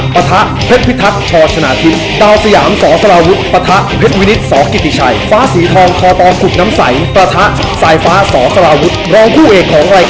ประทะเพชรพิทักษ์ชอชนาธิน